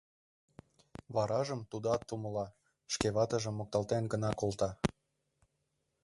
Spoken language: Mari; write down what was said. Варажым тудат умыла, шке ватыжым мокталтен гына колта...